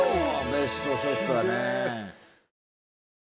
ベストショットだね